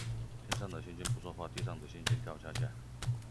天上的星星不說話，地上的猩猩跳恰恰